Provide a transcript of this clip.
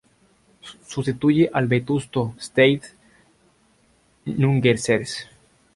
Sustituye al vetusto Stade Nungesser